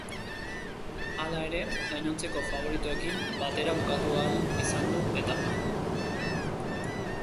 Hala ere, gainontzeko faboritoekin batera bukatu ahal izan du etapa.